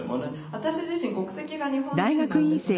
私自身国籍が日本人なんですね。